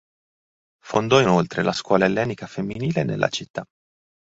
Fondò inoltre la Scuola ellenica femminile nella città.